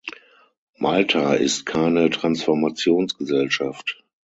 Malta ist keine Transformationsgesellschaft.